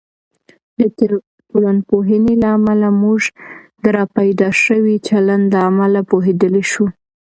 د ټولنپوهنې له امله، موږ د راپیدا شوي چلند له امله پوهیدلی شو.